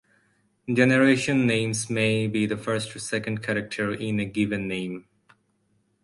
Generation names may be the first or second character in a given name.